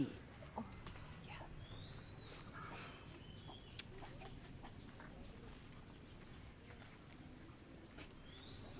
ia bisa membaca situasi